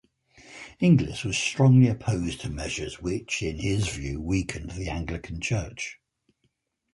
Inglis was strongly opposed to measures which, in his view, weakened the Anglican Church.